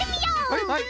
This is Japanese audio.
はいはい！